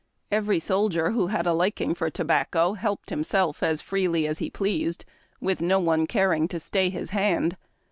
Every soldier FORAGING. 239 TOBACCO DiniNG who had a liking for tobacco helped himself as freely as he pleased, with no one caring to stay his hand.